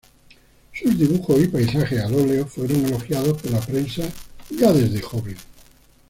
Sus dibujos y paisajes al óleo fueron elogiados por la prensa ya desde joven.